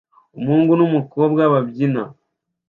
Umuhungu n'umukobwa babyina